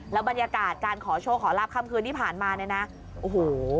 บรรยากาศการขอโชคขอลาบค่ำคืนที่ผ่านมาเนี่ยนะโอ้โห